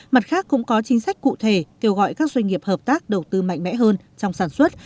mặt khác cũng có chính sách cụ thể kêu gọi các doanh nghiệp hợp tác đầu tư mạnh mẽ hơn trong sản xuất